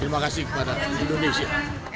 terima kasih kepada indonesia